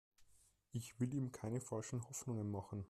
Ich will ihm keine falschen Hoffnungen machen.